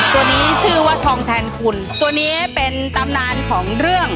ตัวนี้ชื่อว่าทองแทนคุณตัวนี้เป็นตำนานของเรื่อง